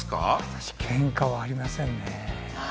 私、ケンカはありませんね。